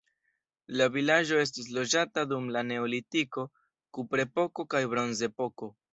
La vilaĝo estis loĝata dum la neolitiko, kuprepoko kaj bronzepoko.